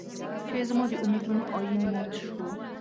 چې زما د امېدونو ائين مات شو